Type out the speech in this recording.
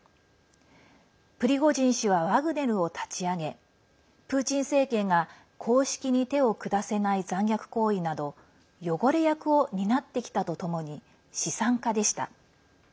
プリゴジン氏はワグネルを立ち上げプーチン政権が公式に手を下せない残虐行為など汚れ役を担ってきたとともに資産家でした。